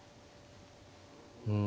うん。